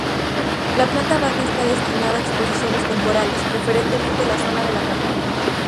La planta baja está destinada a exposiciones temporales, preferentemente la zona de la capilla.